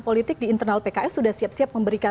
politik di internal pks sudah siap siap memberikan